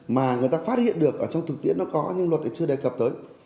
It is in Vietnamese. mà người ta phát hiện được ở trong thực tiễn nó có nhưng luật lại chưa đề cập tới